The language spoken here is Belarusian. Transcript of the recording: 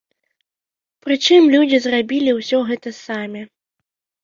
Прычым людзі зрабілі ўсё гэта самі.